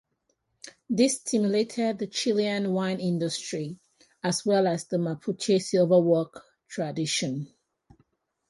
This stimulated the Chilean wine industry as well as the Mapuche silverwork tradition.